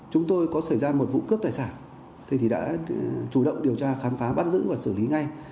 chúng tôi có xảy ra một vụ cướp tài sản thế thì đã chủ động điều tra khám phá bắt giữ và xử lý ngay